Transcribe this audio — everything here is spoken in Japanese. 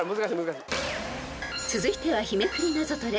［続いては日めくりナゾトレ］